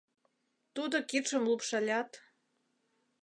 Тудо кидшым лупшалят